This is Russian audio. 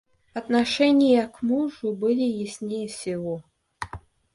Отношения к мужу были яснее всего.